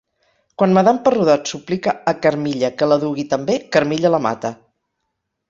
Quan Madame Perrodot suplica a Carmilla que la dugui també, Carmilla la mata.